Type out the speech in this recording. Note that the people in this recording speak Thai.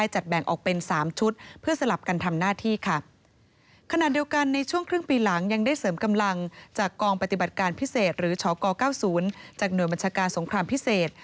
จากหน่วยบัญชาการสงครามพิเศษ